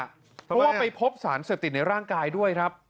เพราะว่าไปพบสารเสพติดในร่างกายด้วยครับ